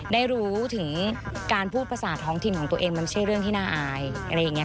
ได้รู้ถึงการพูดภาษาท้องถิ่นของตัวเองมันไม่ใช่เรื่องที่น่าอายอะไรอย่างนี้